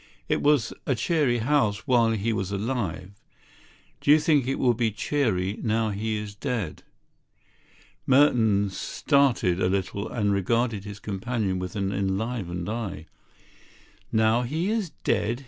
"It was a cheery house while he was alive. Do you think it will be cheery now he is dead?" Merton started a little and regarded his companion with an enlivened eye. "Now he is dead?"